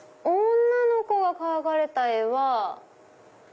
女の子が描かれた絵は。